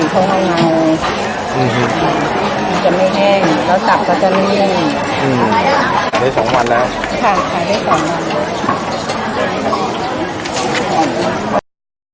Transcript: จะไม่แห้งแล้วตับก็จะไม่แห้งอืมในสองวันแล้วค่ะในสองวัน